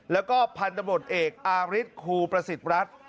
แล้วก็พันธบทเอกอาริสครูประสิทธิ์รัฐ